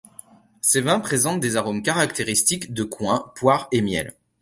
Ces vins présentent des arômes caractéristiques de coing, poire et miel.